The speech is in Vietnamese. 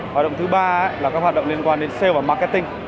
hoạt động thứ ba là các hoạt động liên quan đến sale và marketing